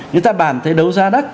chúng ta bàn tới đấu giá đắt